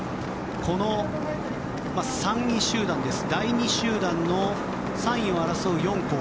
この３位集団第２集団の３位を争う４校